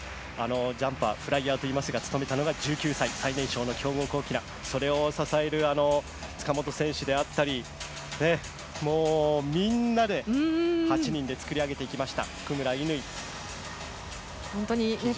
ジャンパー、フライヤーと言いますが、務めたのが最年少の１９歳、京極おきな、支えるのは塚本選手であったり、みんなで８人で作り上げてきました。